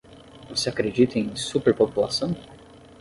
Você acredita em superpopulação?